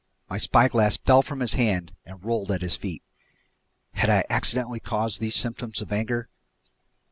My spyglass fell from his hand and rolled at his feet. Had I accidentally caused these symptoms of anger?